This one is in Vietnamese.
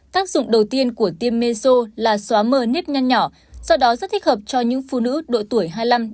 tác dụng đầu tiên của tiêm meso là xóa mờ nếp nhăn nhỏ do đó rất thích hợp cho những phụ nữ độ tuổi hai mươi năm ba mươi